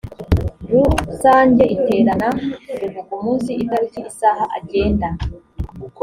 rusange iterana ruvuga umunsi itariki isaha agenda